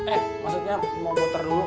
eh maksudnya mau muter dulu